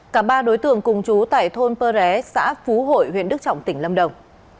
cả ba đối tượng cùng chú tại thôn pơ ré xã phú hội huyện đức trọng tỉnh lâm đồng